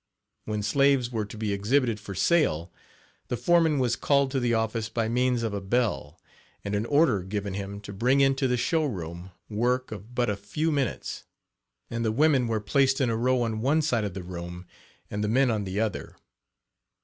When slaves were to be exhibited for sale, the foreman was called to the office by means of a bell, and an order given him to bring into the show room work of but a few minutes, and the women were placed in a row on one side of the room and the men on the other.